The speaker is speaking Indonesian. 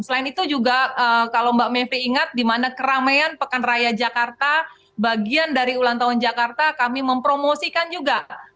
selain itu juga kalau mbak mepri ingat di mana keramaian pekan raya jakarta bagian dari ulang tahun jakarta kami mempromosikan juga